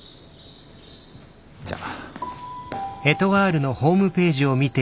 じゃあ。